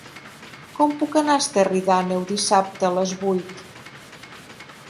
Com puc anar a Esterri d'Àneu dissabte a les vuit?